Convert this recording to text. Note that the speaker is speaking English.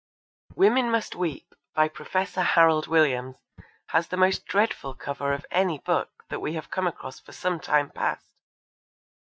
Women must Weep, by Professor Harald Williams, has the most dreadful cover of any book that we have come across for some time past.